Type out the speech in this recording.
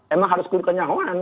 emang harus kudu kenyawan